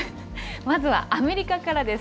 まずはアメリカからです。